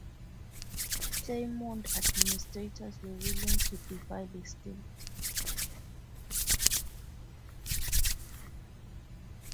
Claymont administrators were willing to defy the state.